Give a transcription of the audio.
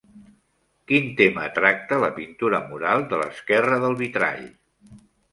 Quin tema tracta la pintura mural de l'esquerra del vitrall?